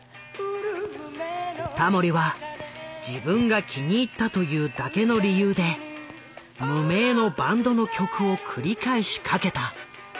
タモリは自分が気に入ったというだけの理由で無名のバンドの曲を繰り返しかけた。